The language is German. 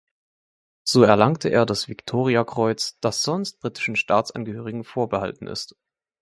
So erlangte er das Victoria-Kreuz, das sonst britischen Staatsangehörigen vorbehalten ist.